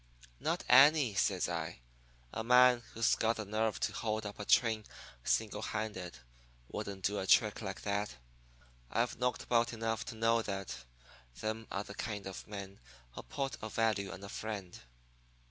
"'Not any,' says I. 'A man who's got the nerve to hold up a train single handed wouldn't do a trick like that. I've knocked about enough to know that them are the kind of men who put a value on a friend.